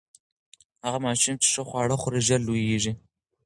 هغه ماشوم چې ښه خواړه خوري، ژر لوییږي.